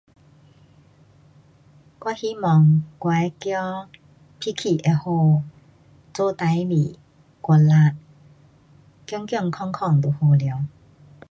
我希望我的儿脾气会好，做事情努力，健健康康就好了。